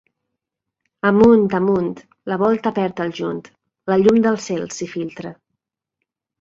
Amunt... amunt... La volta perd el junt, la llum del cel s’hi filtra.